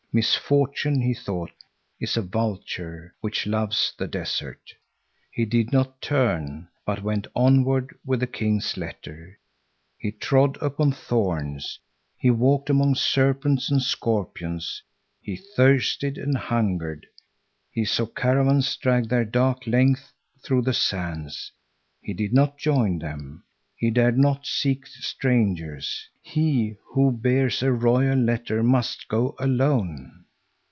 Misfortune, he thought, is a vulture, which loves the desert. He did not turn, but went onward with the king's letter. He trod upon thorns. He walked among serpents and scorpions. He thirsted and hungered. He saw caravans drag their dark length through the sands. He did not join them. He dared not seek strangers. He, who bears a royal letter, must go alone.